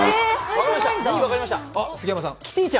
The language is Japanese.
分かりました！